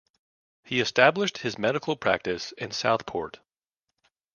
He established his medical practice in Southport.